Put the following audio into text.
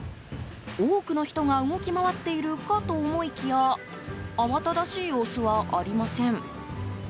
多くの人が動き回っているかと思いきや慌ただしい様子はありません。